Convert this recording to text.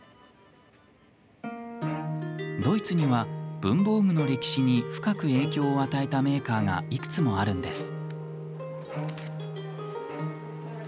ドイツには、文房具の歴史に深く影響を与えたメーカーがいくつもあるんです。